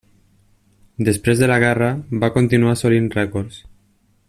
Després de la guerra, va continuar assolint rècords.